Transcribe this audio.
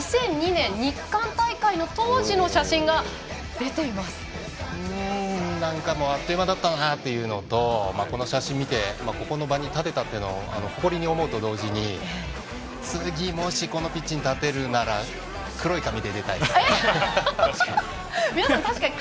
２００２年日韓大会の当時の写真が何かもうあっという間だったかなというのとこの写真を見てここの場に立てたというのを誇りに思うと同時に次もしこのピッチに立てるなら確かに。